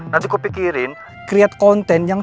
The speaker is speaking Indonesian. nanti gue pikirin create konten yang